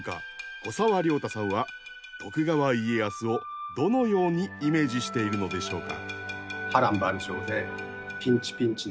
古沢良太さんは徳川家康をどのようにイメージしているのでしょうか？